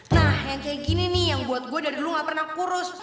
nah yang kayak gini nih yang buat gue dari dulu gak pernah kurus